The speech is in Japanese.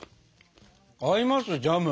合いますジャム。